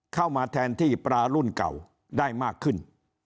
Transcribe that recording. เข้ามาแทนที่ปลารุ่นเก่าได้มากขึ้น